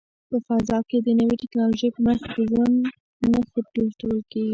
په فضا کې د نوې ټیکنالوژۍ په مرسته د ژوند نښې لټول کیږي.